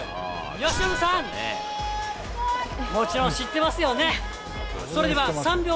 由伸さん、もちろん知ってますよね？